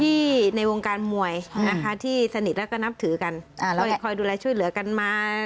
ในวงการมวยนะคะที่สนิทแล้วก็นับถือกันอ่าเราคอยดูแลช่วยเหลือกันมา